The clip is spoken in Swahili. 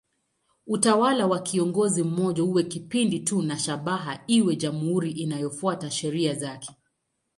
Utawala wa kiongozi mmoja uwe kipindi tu na shabaha iwe jamhuri inayofuata sheria zake.